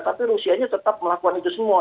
tapi rusianya tetap melakukan itu semua